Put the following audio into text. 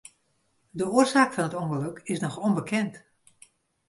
De oarsaak fan it ûngelok is noch ûnbekend.